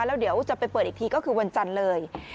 แล้วเดี๋ยวจะไปเปิดอีกทีก็คือวันจันทร์เลย